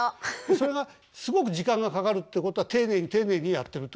それがすごく時間がかかるってことは丁寧に丁寧にやってるってことなんでしょ？